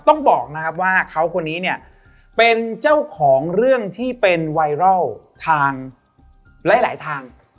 ต้องบอกนะครับว่าเขาคนนี้เนี่ยเป็นเจ้าของเรื่องที่เป็นไวรัลทางหลายทาง